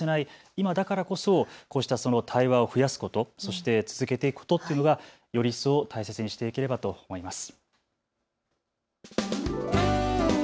今だからこそ、こうした対話を増やすこと、そして続けていくことがより一層、大切にしていければと思います。